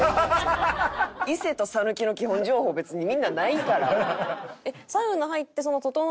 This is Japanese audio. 伊勢と讃岐の基本情報別にみんなないから。